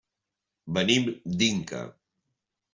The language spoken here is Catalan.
Venim d'Inca.